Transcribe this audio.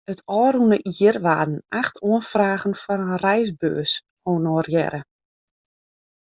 It ôfrûne jier waarden acht oanfragen foar in reisbeurs honorearre.